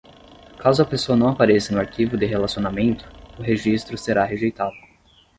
Caso a pessoa não apareça no arquivo de relacionamento, o registro será rejeitado.